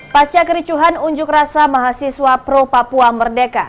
pasca kericuhan unjuk rasa mahasiswa pro papua merdeka